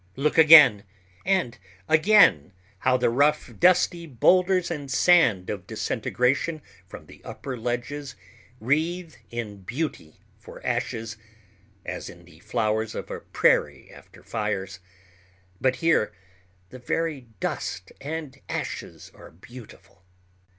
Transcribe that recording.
Look again and again how the rough, dusty boulders and sand of disintegration from the upper ledges wreathe in beauty for ashes—as in the flowers of a prairie after fires—but here the very dust and ashes are beautiful.